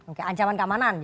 oke ancaman keamanan